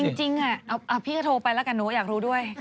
จริงพี่ก็โทรไปแล้วกันหนูอยากรู้ด้วย